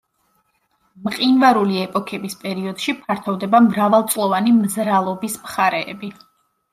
მყინვარული ეპოქების პერიოდში ფართოვდება მრავალწლოვანი მზრალობის მხარეები.